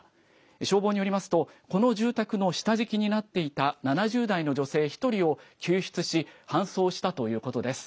消防によりますと、この住宅の下敷きになっていた７０代の女性１人を救出し搬送したということです。